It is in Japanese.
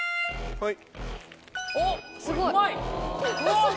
はい。